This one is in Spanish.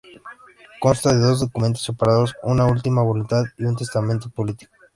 Consta de dos documentos separados, una última voluntad y un testamento político.